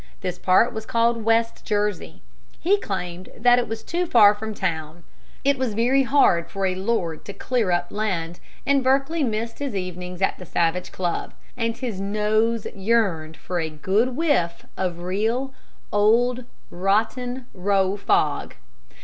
This part was called West Jersey. He claimed that it was too far from town. It was very hard for a lord to clear up land, and Berkeley missed his evenings at the Savage Club, and his nose yearned for a good whiff of real old Rotten Row fog.